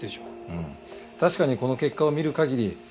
うん確かにこの結果を見る限り